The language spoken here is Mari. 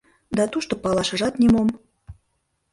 Да тушто палашыжат нимом!